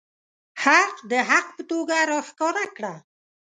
حق د حق په توګه راښکاره کړه.